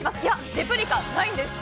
レプリカ、ないんです。